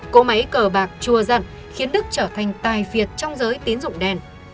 cổ máy cờ bạc chùa giận khiến đức trở thành tài việt trong giới tín dụng đen